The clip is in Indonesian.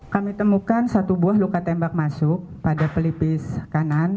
kami temukan satu buah luka tembak masuk pada pelipis kanan